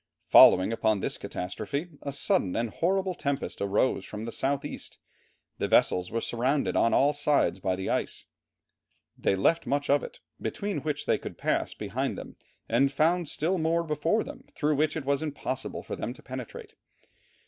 Following upon this catastrophe, a sudden and horrible tempest arose from the south east, the vessels were surrounded on all sides by the ice; they left much of it, between which they could pass, behind them, and found still more before them through which it was impossible for them to penetrate.